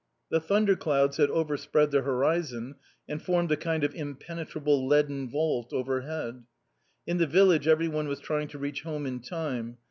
The thunderclouds had overspread the horizon and formed a kind of impenetrable leaden vault overhead. In the village every one was trying to reach home in time.